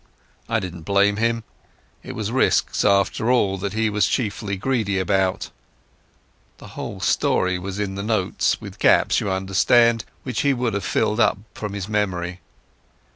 I didn't blame him. It was risks after all that he was chiefly greedy about. The whole story was in the notes—with gaps, you understand, which he would have filled up from his memory.